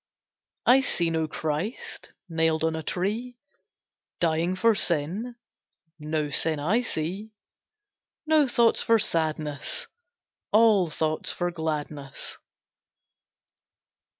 I see no Christ Nailed on a tree, Dying for sin; No sin I see: No thoughts for sadness, All thoughts for gladness.